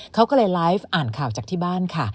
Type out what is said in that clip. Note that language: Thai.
เขาก็เลยไลฟ์อ่านข่าวจากที่บ้านค่ะ